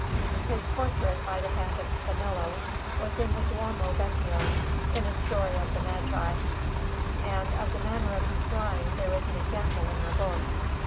His portrait, by the hand of Spinello, was in the Duomo Vecchio, in a story of the Magi; and of the manner of his drawing there is an example in our book.